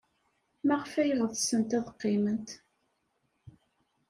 Maɣef ay ɣetsent ad qqiment?